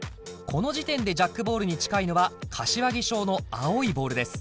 この時点でジャックボールに近いのは柏木小の青いボールです